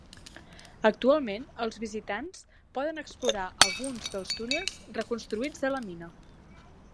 Actualment els visitants poden explorar alguns dels túnels reconstruïts de la mina.